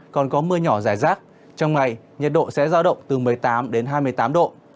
còn có mưa nhỏ giải rác trong ngày nhật độ sẽ ra động từ một mươi tám hai mươi tám độ